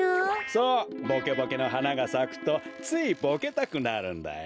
そうボケボケの花がさくとついボケたくなるんだよ。